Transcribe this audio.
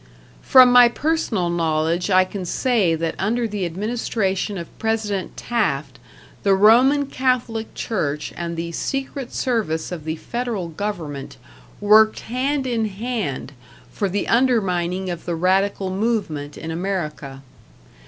From my personal knowledge I can say that under the administration of President Taft t the Roman Catholic Church and the Secret Service of the Federal Government worked hand in hand for the undermining of the radical movement in America.